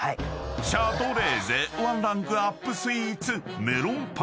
［シャトレーゼワンランクアップスイーツメロンパンアイス。